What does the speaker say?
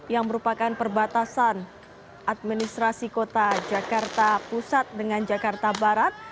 yang merupakan perbatasan administrasi kota jakarta pusat dengan jakarta barat